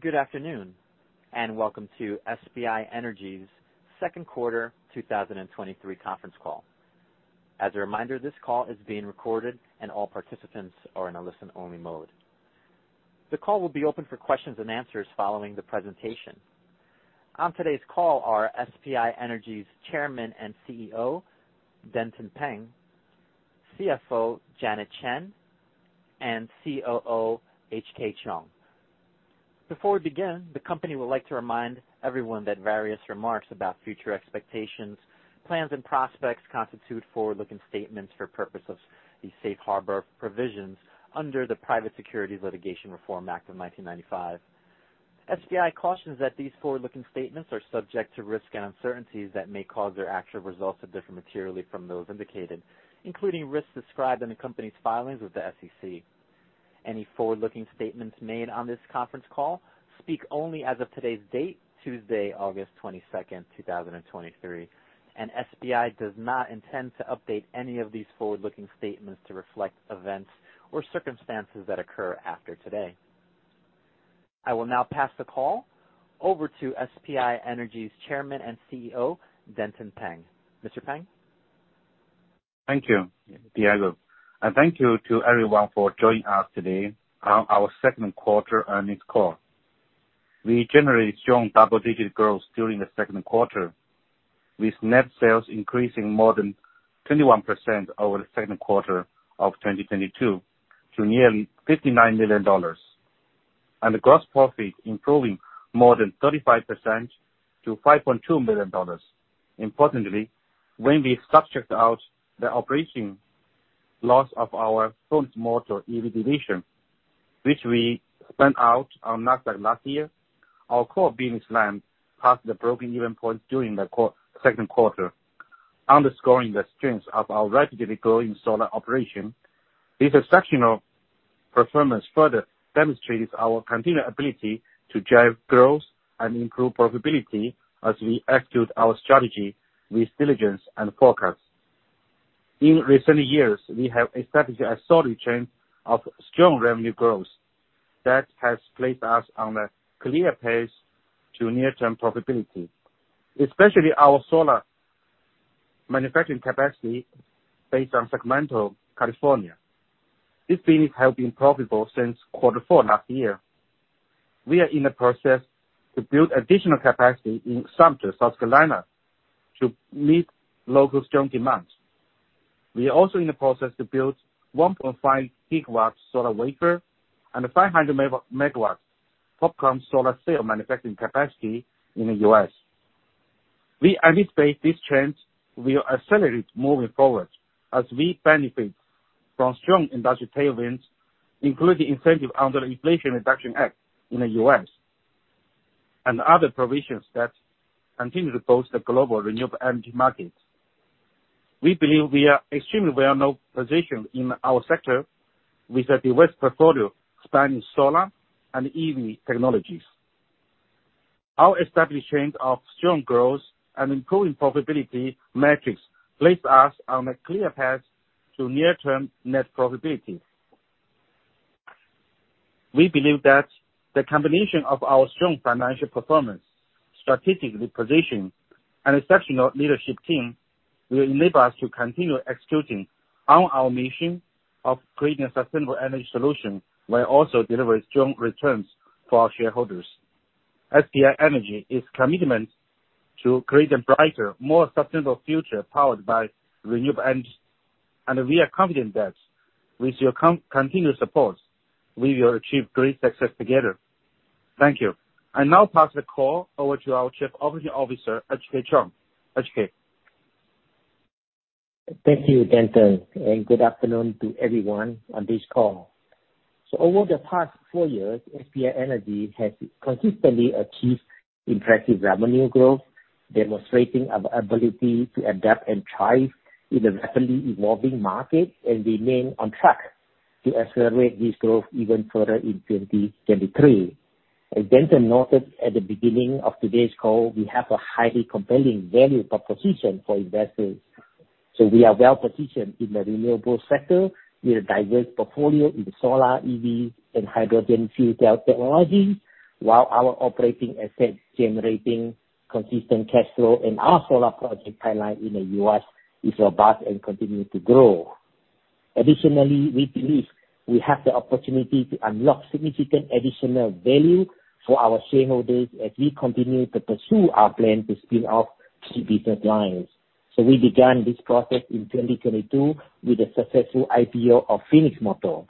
Good afternoon, and welcome to SPI Energy's Second Quarter 2023 Conference Call. As a reminder, this call is being recorded and all participants are in a listen-only mode. The call will be open for questions and answers following the presentation. On today's call are SPI Energy's Chairman and CEO, Denton Peng, CFO, Janet Chen, and COO, HK Cheong. Before we begin, the company would like to remind everyone that various remarks about future expectations, plans and prospects constitute forward-looking statements for purpose of the safe harbor provisions under the Private Securities Litigation Reform Act of 1995. SPI cautions that these forward-looking statements are subject to risks and uncertainties that may cause their actual results to differ materially from those indicated, including risks described in the company's filings with the SEC. Any forward-looking statements made on this conference call speak only as of today's date, Tuesday, August 22, 2023. SPI does not intend to update any of these forward-looking statements to reflect events or circumstances that occur after today. I will now pass the call over to SPI Energy's Chairman and CEO, Denton Peng. Mr. Peng? Thank you, Diego. Thank you to everyone for joining us today on our second quarter earnings call. We generated strong double-digit growth during the second quarter, with net sales increasing more than 21% over the second quarter of 2022 to nearly $59 million, and the gross profit improving more than 35% to $5.2 million. Importantly, when we subtract out the operating loss of our Phoenix Motor EV division, which we spun out on NASDAQ last year, our core business line passed the broken even point during the second quarter, underscoring the strength of our rapidly growing solar operation. This exceptional performance further demonstrates our continued ability to drive growth and improve profitability as we execute our strategy with diligence and focus. In recent years, we have established a solid trend of strong revenue growth that has placed us on a clear path to near-term profitability, especially our solar manufacturing capacity based on Sacramento, California. This business have been profitable since quarter four last year. We are in the process to build additional capacity in Sumter, South Carolina, to meet local strong demand. We are also in the process to build 1.5 gigawatts solar wafer and 500 MW TOPCon solar cell manufacturing capacity in the U.S. We anticipate this trend will accelerate moving forward as we benefit from strong industrial tailwinds, including incentive under the Inflation Reduction Act in the U.S. and other provisions that continue to boost the global renewable energy markets. We believe we are extremely well positioned in our sector with a diverse portfolio spanning solar and EV technologies. Our established trend of strong growth and improving profitability metrics place us on a clear path to near-term net profitability. We believe that the combination of our strong financial performance, strategic reposition, and exceptional leadership team will enable us to continue executing on our mission of creating a sustainable energy solution while also delivering strong returns for our shareholders. SPI Energy is committed to create a brighter, more sustainable future powered by renewable energy, and we are confident that with your continued support, we will achieve great success together. Thank you. I now pass the call over to our Chief Operating Officer, HK Cheong. HK. Thank you, Denton, good afternoon to everyone on this call. Over the past four years, SPI Energy has consistently achieved impressive revenue growth, demonstrating our ability to adapt and thrive in a rapidly evolving market and remain on track to accelerate this growth even further in 2023. As Denton noted at the beginning of today's call, we have a highly compelling value proposition for investors. We are well positioned in the renewable sector with a diverse portfolio in solar, EV, and hydrogen fuel cell technologies, while our operating assets generating consistent cash flow and our solar project pipeline in the U.S. is robust and continuing to grow. Additionally, we believe we have the opportunity to unlock significant additional value for our shareholders as we continue to pursue our plan to spin off key business lines. We began this process in 2022 with the successful IPO of Phoenix Motor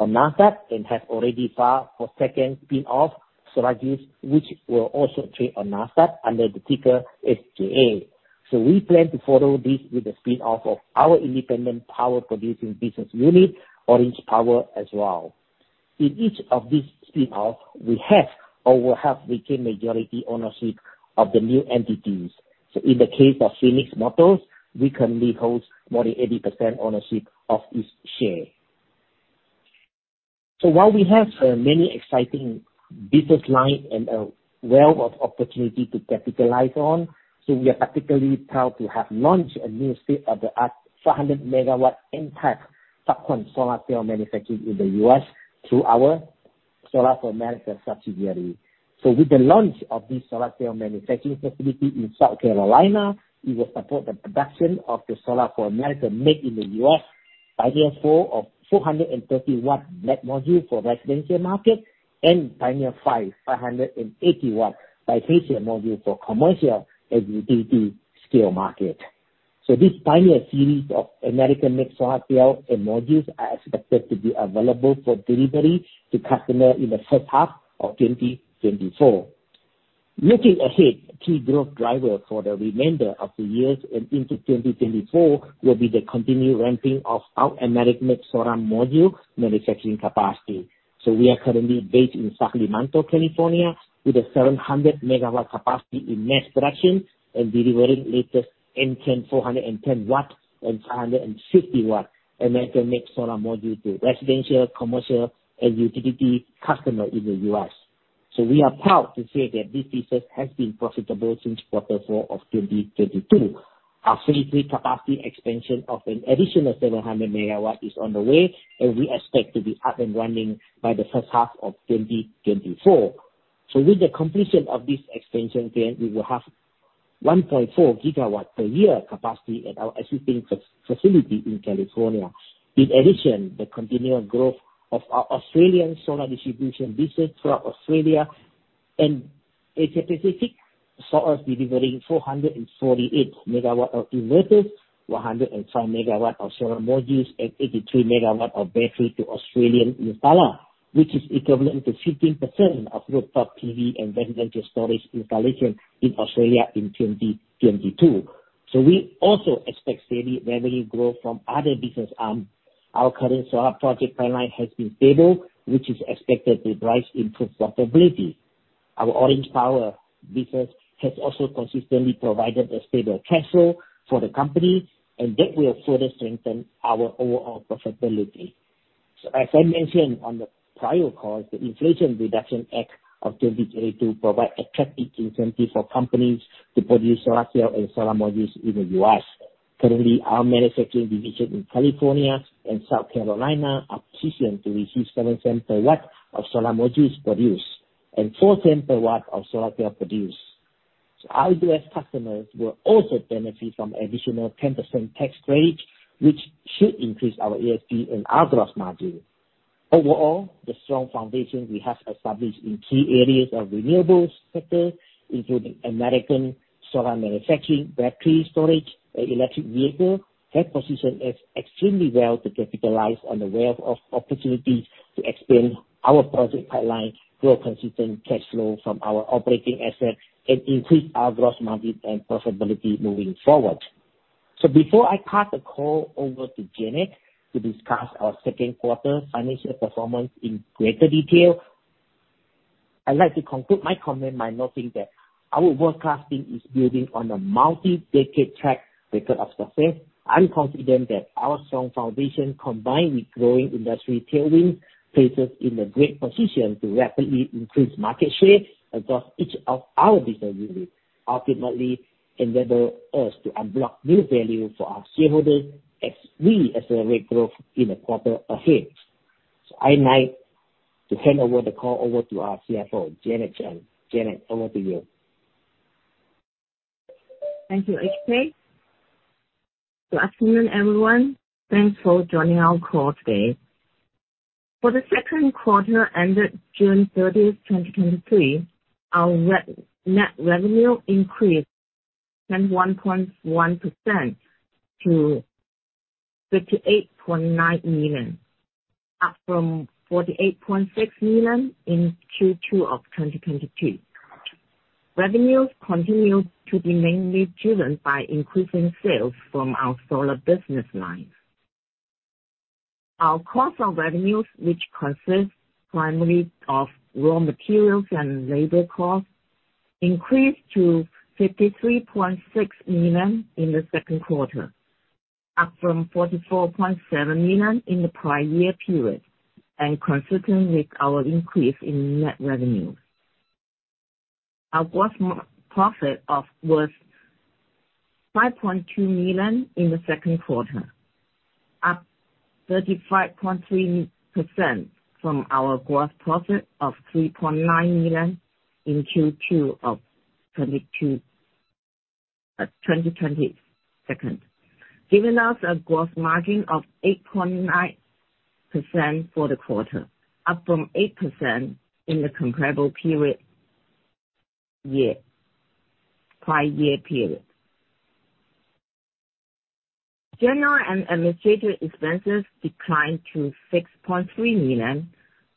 on NASDAQ and have already filed for 2nd spin-off, SolarJuice, which will also trade on NASDAQ under the ticker SJA. We plan to follow this with a spin-off of our independent power producing business unit, Orange Power, as well. In each of these spin-off, we have or will have retained majority ownership of the new entities. In the case of Phoenix Motor, we currently hold more than 80% ownership of its share. While we have many exciting business line and a wealth of opportunity to capitalize on, so we are particularly proud to have launched a new state-of-the-art 400 megawatt N-type TOPCon solar cell manufacturing in the U.S. through our Solar4America subsidiary. With the launch of this solar cell manufacturing facility in South Carolina, it will support the production of the Solar4America made in the U.S., Pioneer4 of 430 watt black module for residential market, and Pioneer5, 580 watt bifacial module for commercial and utility scale market. This Pioneer series of American-made solar cell and modules are expected to be available for delivery to customer in the first half of 2024. Looking ahead, key growth driver for the remainder of the year and into 2024 will be the continued ramping of our American-made solar module manufacturing capacity. We are currently based in Sacramento, California, with a 700 MW capacity in mass production and delivering latest M10, 410 watts and 550 watt American-made solar modules to residential, commercial, and utility customer in the U.S. We are proud to say that this business has been profitable since quarter four of 2022. Our Phase III capacity expansion of an additional 700 MW is on the way, and we expect to be up and running by the first half of 2024. With the completion of this expansion plan, we will have 1.4 GW per year capacity at our existing facility in California. The continued growth of our Australian solar distribution business throughout Australia and Asia Pacific saw us delivering 448 MW of inverters, 105 MW of solar modules, and 83 MW of battery to Australian installer, which is equivalent to 15% of rooftop PV and residential storage installation in Australia in 2022. We also expect steady revenue growth from other business arms. Our current solar project pipeline has been stable, which is expected to drive improved profitability. Our Orange Power business has also consistently provided a stable cash flow for the company, and that will further strengthen our overall profitability. As I mentioned on the prior call, the Inflation Reduction Act of 2022 provide attractive incentive for companies to produce solar cell and solar modules in the U.S.. Currently, our manufacturing division in California and South Carolina are positioned to receive $0.07 per watt of solar modules produced and $0.04 per watt of solar cell produced. Our U.S. customers will also benefit from additional 10% tax credit, which should increase our ASP and our gross margin. Overall, the strong foundation we have established in key areas of renewables sector, including American solar manufacturing, battery storage, and electric vehicle, that position us extremely well to capitalize on the wealth of opportunities to expand our project pipeline, grow consistent cash flow from our operating assets, and increase our gross margin and profitability moving forward. Before I pass the call over to Janet to discuss our second quarter financial performance in greater detail, I'd like to conclude my comment by noting that our world-class team is building on a multi-decade track record of success. I'm confident that our strong foundation, combined with growing industry tailwind, places in a great position to rapidly increase market share across each of our business units, ultimately enable us to unblock new value for our shareholders as we accelerate growth in the quarter ahead. I'd like to hand over the call over to our CFO, Janet Chen. Janet, over to you. Thank you, HK. Good afternoon, everyone. Thanks for joining our call today. For the second quarter ended June 30th, 2023, our net revenue increased 101.1% to $58.9 million, up from $48.6 million in Q2 of 2022. Revenues continue to be mainly driven by increasing sales from our solar business lines. Our cost of revenues, which consists primarily of raw materials and labor costs, increased to $53.6 million in the second quarter, up from $44.7 million in the prior year period, and consistent with our increase in net revenue. Our gross profit was $5.2 million in the second quarter, up 35.3% from our gross profit of $3.9 million in Q2 2022, giving us a gross margin of 8.9% for the quarter, up from 8% in the comparable period year, prior year period. General and Administrative expenses declined to $6.3 million,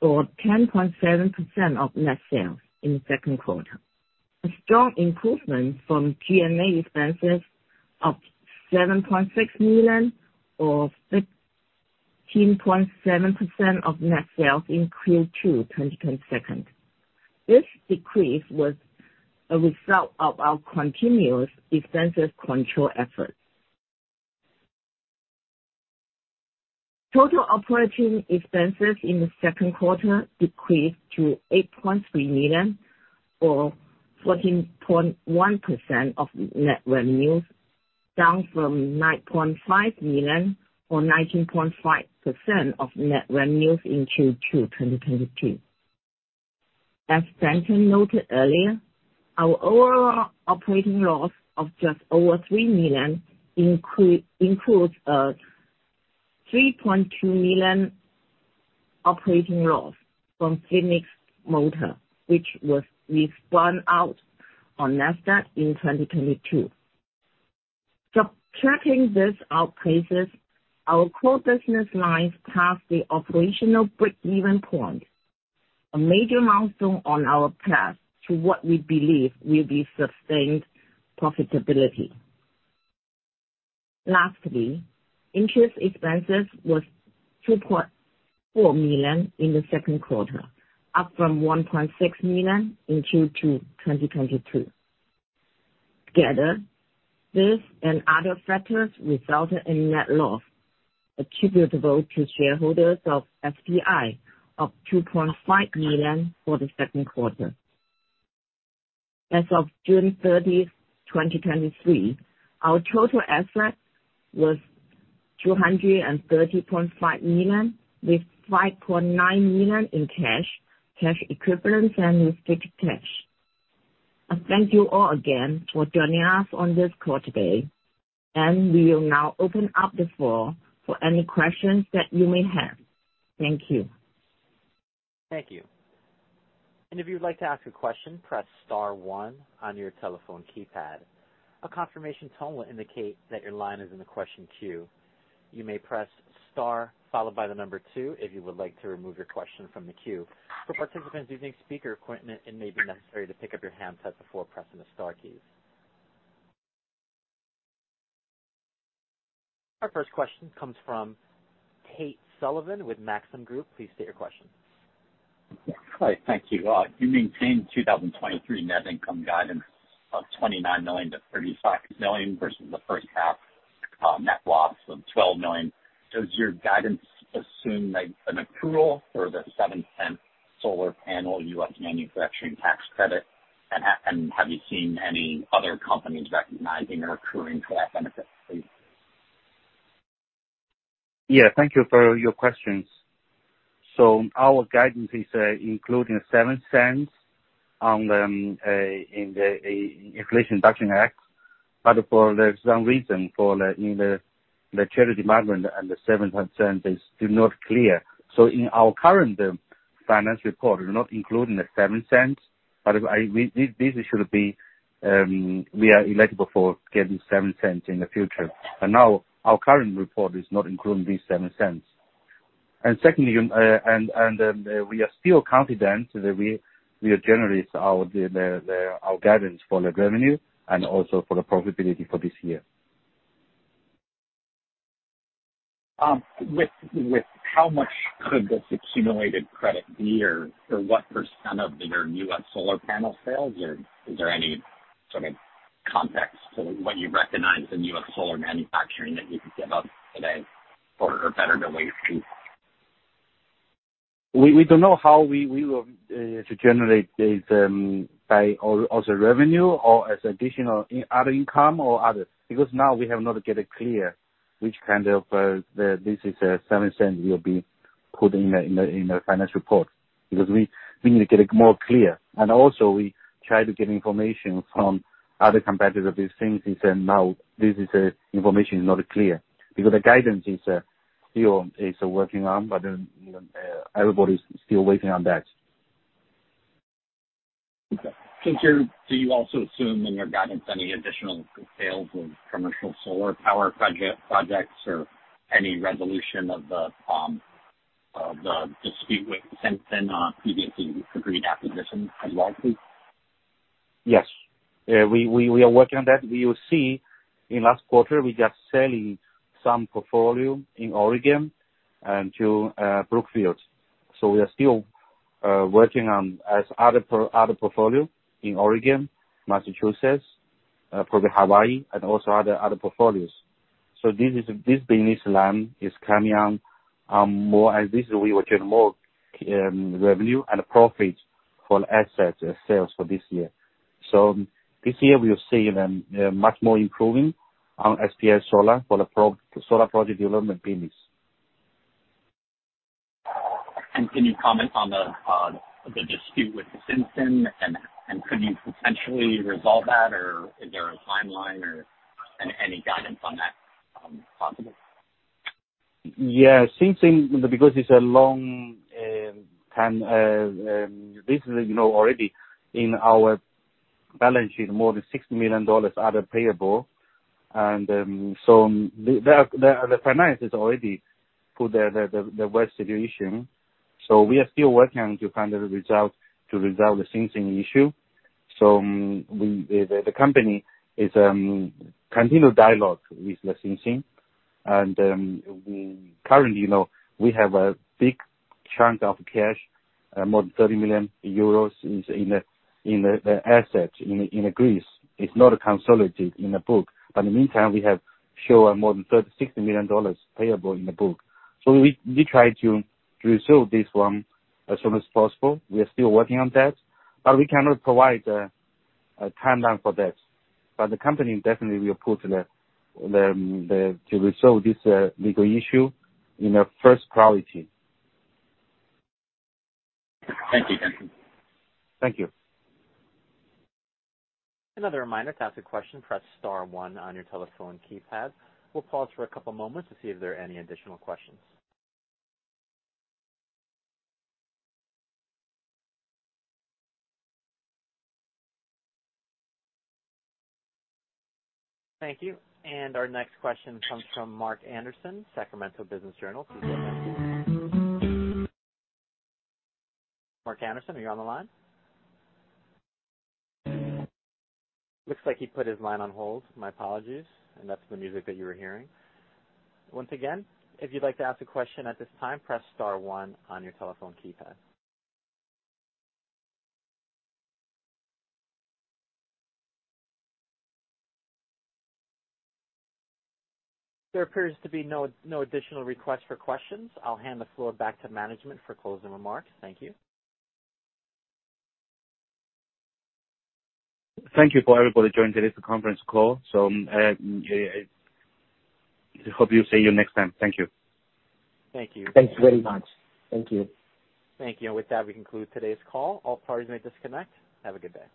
or 10.7% of net sales in the second quarter, a strong improvement from G&A expenses of $7.6 million or 15.7% of net sales in Q2 2022. This decrease was a result of our continuous expenses control efforts. Total operating expenses in the second quarter decreased to $8.3 million. or 14.1% of net revenues, down from $9.5 million or 19.5% of net revenues in Q2 2022. As Denton noted earlier, our overall operating loss of just over $3 million includes $3.2 million operating loss from Phoenix Motor, which was spun out on NASDAQ in 2022. Subtracting these outpaces, our core business lines passed the operational break-even point, a major milestone on our path to what we believe will be sustained profitability. Interest expenses was $2.4 million in the second quarter, up from $1.6 million in Q2 2022. These and other factors resulted in net loss attributable to shareholders of SPI of $2.5 million for the second quarter. As of June 30, 2023, our total assets was $230.5 million, with $5.9 million in cash, cash equivalents, and restricted cash. I thank you all again for joining us on this call today, and we will now open up the floor for any questions that you may have. Thank you. Thank you. If you would like to ask a question, press star one on your telephone keypad. A confirmation tone will indicate that your line is in the question queue. You may press star followed by the number two if you would like to remove your question from the queue. For participants using speaker equipment, it may be necessary to pick up your handset before pressing the star key. Our first question comes from Tate Sullivan with Maxim Group. Please state your question. Hi. Thank you. You maintained 2023 net income guidance of $29 million-$35 million versus the first half, net loss of $12 million. Does your guidance assume, like, an accrual for the $0.07 solar panel U.S. manufacturing tax credit? Have you seen any other companies recognizing or accruing for that benefit, please? Yeah, thank you for your questions. Our guidance is including $0.07 on the in the Inflation Reduction Act. For some reason, for the in the Treasury Department, $7.00 is still not clear. In our current financial report, we're not including the $0.07, but I we are eligible for getting $0.07 in the future. Now our current report is not including these $0.07. Secondly, we are still confident that we generate our guidance for the revenue and also for the profitability for this year. With how much could this accumulated credit be or for what % of your U.S. solar panel sales? Is there any sort of context to what you recognize in U.S. solar manufacturing that you could give us today, or better yet, your view? We, we don't know how we, we will to generate this by as a revenue or as additional other income or other, because now we have not yet got it clear which kind of the, this is $0.07 will be put in the, in the, in the financial report. We, we need to get it more clear. Also, we try to get information from other competitors of these things, and now this is information is not clear. The guidance is still is working on, but everybody's still waiting on that. Okay. Do you also assume in your guidance any additional sales of commercial solar power projects or any resolution of the dispute with Sinsin previously agreed acquisition as well, please? Yes. We are working on that. We will see in last quarter, we just selling some portfolio in Oregon and to Brookfield. We are still working on as other portfolio in Oregon, Massachusetts, probably Hawaii, and also other portfolios. This is, this business line is coming on, more as this, we will get more revenue and profit for asset sales for this year. This year, we are seeing much more improving on SPI Solar for the solar project development business. Can you comment on the dispute with the Sinsin, and could you potentially resolve that, or is there a timeline or any guidance on that possible? Yeah. Sinsin, because it's a long time, this is, you know, already in our balance sheet, more than $60 million other payable. The finances already put the worst situation. We are still working on to find a result to resolve the Sinsin issue. We, the company is continue dialogue with the Sinsin. We currently know we have a big chunk of cash, more than 30 million euros is in the asset, in Greece. It's not consolidated in the book, but in the meantime, we have shown more than $60 million payable in the book. We, we try to resolve this one as soon as possible. We are still working on that, but we cannot provide a timeline for that. The company definitely will push to resolve this legal issue in the first priority. Thank you. Thank you. Another reminder, to ask a question, press star one on your telephone keypad. We'll pause for a couple moments to see if there are any additional questions. Thank you. Our next question comes from Mark Anderson, Sacramento Business Journal. Mark Anderson, are you on the line? Looks like he put his line on hold. My apologies, and that's the music that you were hearing. Once again, if you'd like to ask a question at this time, press star one on your telephone keypad. There appears to be no additional requests for questions. I'll hand the floor back to management for closing remarks. Thank you. Thank you for everybody joining today's conference call. I hope to see you next time. Thank you. Thank you. Thanks very much. Thank you. Thank you. With that, we conclude today's call. All parties may disconnect. Have a good day.